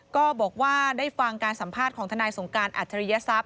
ก็บอกว่าได้ฟังการสัมภาษณ์ธนายส่งการอัชรียศัพท์